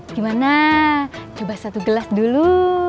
gimana coba satu gelas dulu